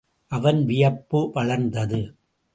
அவன் வியப்பு வளர்ந்தது.